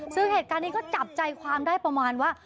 ซึ่งเหตุการณ์นี้ก็จับใจความได้ประมาณว่า